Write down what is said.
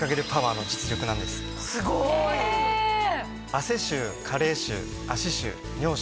汗臭加齢臭足臭尿臭